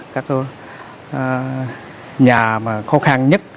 các nhà khó khăn nhất